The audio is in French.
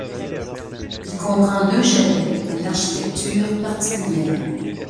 Il comprend deux chalets à l'architecture particulière.